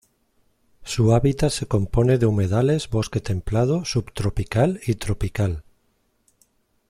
Su hábitat se compone de humedales, bosque templado, subtropical y tropical.